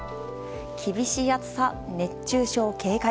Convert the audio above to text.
厳しい暑さ、熱中症警戒。